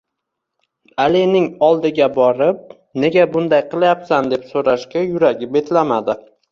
Alining oldiga borib, nega bunday qilyapsan, deb so`rashga yuragi betlamadi